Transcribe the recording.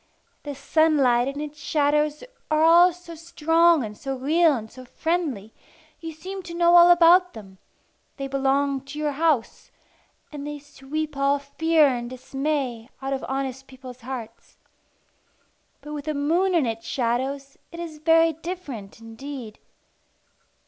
The sunlight and its shadows are all so strong and so real and so friendly, you seem to know all about them; they belong to your house, and they sweep all fear and dismay out of honest people's hearts. But with the moon and its shadows it is very different indeed.